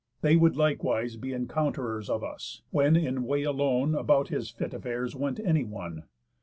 They would likewise be Encount'rers of us, when in way alone About his fit affairs went any one.